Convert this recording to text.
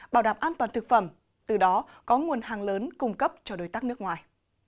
bảo đảm an toàn thực phẩm từ đó có nguồn hàng lớn cung cấp cho đối tác nước ngoài